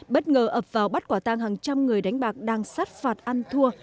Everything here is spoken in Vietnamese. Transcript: bất ngờ ập vào bắt quả tang hàng trăm người đánh bạc đang sát phạt ăn thua